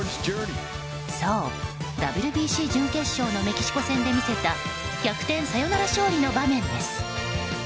そう、ＷＢＣ準決勝のメキシコ戦で見せた逆転サヨナラ勝利の場面です。